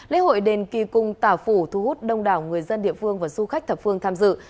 lễ hội đền kỳ cung tả phủ thu hút đông đảo người dân địa phương và du khách thập phương tham dự